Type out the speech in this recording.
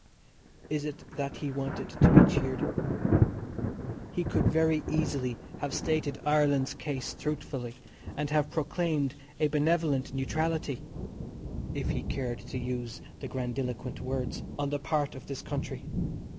Is it that he wanted to be cheered? He could very easily have stated Ireland's case truthfully, and have proclaimed a benevolent neutrality (if he cared to use the grandiloquent words) on the part of this country.